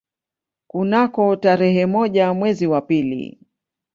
Kunako tarehe moja mwezi wa pili